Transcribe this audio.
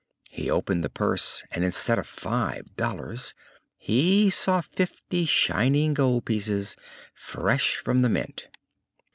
He opened the purse and instead of five dollars he saw fifty shining gold pieces fresh from the mint.